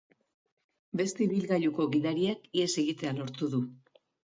Beste ibilgailuko gidariak ihes egitea lortu du.